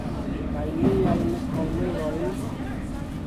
Kaj miajn kunulojn?